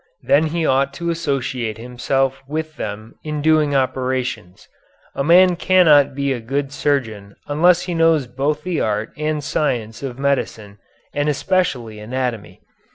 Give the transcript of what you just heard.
Then he ought to associate himself with them in doing operations. A man cannot be a good surgeon unless he knows both the art and science of medicine and especially anatomy.